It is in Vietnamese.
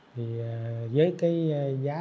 thì với cái giá